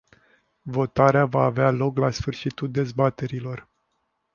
Votarea va avea loc la sfârșitul dezbaterilor.